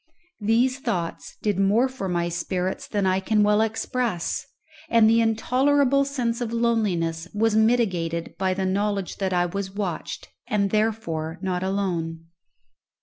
These thoughts did more for my spirits than I can well express; and the intolerable sense of loneliness was mitigated by the knowledge that I was watched, and therefore not alone.